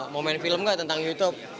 mau main film nggak tentang youtube